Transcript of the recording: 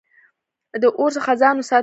د اور څخه ځان وساتئ